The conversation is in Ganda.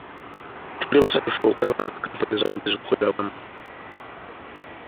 Tuli basanyufu okulaba nga kkampuni zombi zikolera wamu.